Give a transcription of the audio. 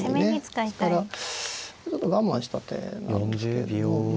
ですからちょっと我慢した手なんですけれども。